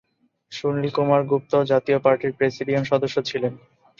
সুনীল কুমার গুপ্ত জাতীয় পার্টির প্রেসিডিয়াম সদস্য ছিলেন।